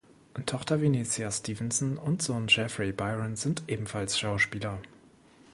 Tochter Venetia Stevenson und Sohn Jeffrey Byron sind ebenfalls Schauspieler.